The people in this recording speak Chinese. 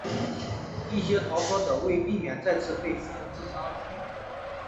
一些逃脱者为避免再次被俘自杀了。